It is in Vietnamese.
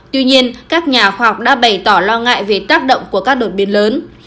tuy nhiên các nhà khoa học đã bày tỏ lo ngại về tác động của các đột biến lớn